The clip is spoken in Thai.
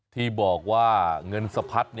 ที่บอกว่าเงินสะพัด